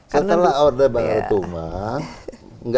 setelah orde baru tumbang